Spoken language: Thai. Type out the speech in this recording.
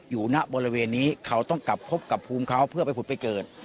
อยู่ระบวนบริเวณนี้เขาต้องกลับพบกับภูมิเขาเพื่ออุดเกิด